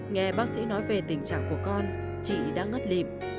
nghe bác sĩ nói về tình trạng của con chị đã ngất lịp